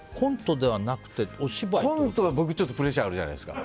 コントは僕プレッシャーあるじゃないですか。